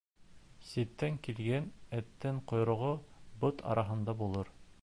Ситтән килгән эттең ҡойроғо бот араһында булыр.